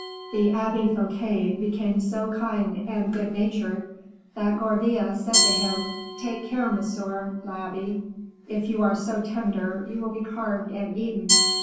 The Abbe Fouquet became so kind and good natured, that Gourville said to him, "Take care, monsieur l'abbe; if you are so tender, you will be carved and eaten."